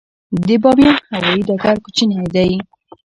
د بامیان هوايي ډګر کوچنی دی